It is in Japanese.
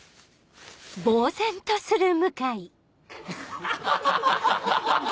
ハハハハ！